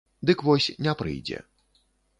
Дык вось не прыйдзе.